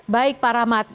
baik pak rahmat